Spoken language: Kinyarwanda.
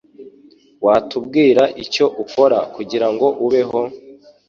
Watubwira icyo ukora kugirango ubeho?